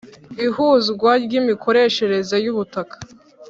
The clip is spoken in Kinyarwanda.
ihuzwa ry’imikoreshereze y’ubutaka